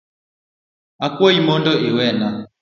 Akwayi mondo iwena.